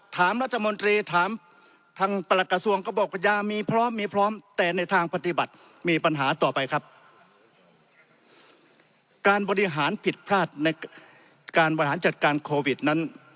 ถามรัฐมนตรีถามทางปรกษัตริย์ก็บอกว่ายามีพร้อมมีพร้อม